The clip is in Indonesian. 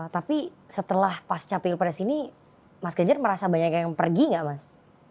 tapi setelah pas capil pres ini mas ganjar merasa banyak yang pergi gak mas